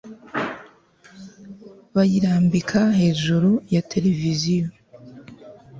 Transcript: bayirambika hejuru ya television